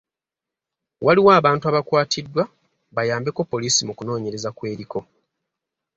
Waliwo abantu abakwatiddwa bayambeko poliisi mu kunoonyereza kw’eriko.